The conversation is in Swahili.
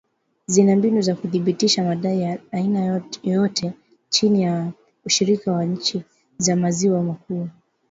zina mbinu za kuthibitisha madai ya aina yoyote chini ya ushirika wa nchi za maziwa makuu